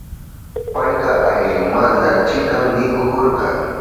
Payka ayllunmanta chikan mikuhurka.